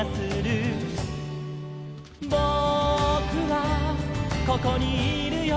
「ぼくはここにいるよ」